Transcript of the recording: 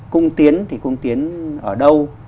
cung tiến thì cung tiến ở đâu